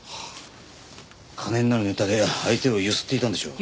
金になるネタで相手をゆすっていたんでしょう。